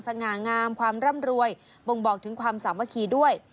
ง่างามความร่ำรวยบ่งบอกถึงความสามัคคีด้วย